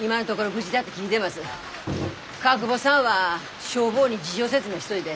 川久保さんは消防に事情説明しといで。